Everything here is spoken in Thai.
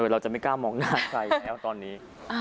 เราจะไม่กล้ามองหน้าใครแล้วตอนนี้